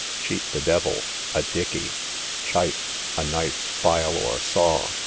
Cheat the devil, a dicky. Chife, a knife, file, or saw.